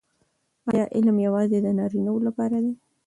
آیا علم یوازې د نارینه وو لپاره دی؟